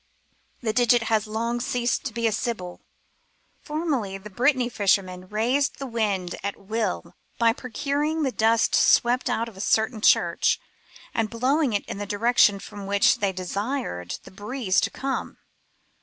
The digit has long ceased to be a sybil. Formerly the Brittany fishermen raised the wind at wiU by procuring the dust swept out of a certain church, and blowing it in the direction from which they desired the breeze to come.